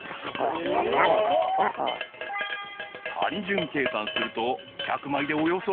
［単純計算すると１００枚でおよそ］